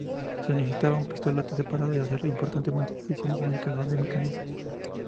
Se necesitaba un pistolete separado y hacer importantes modificaciones en el cajón de mecanismos.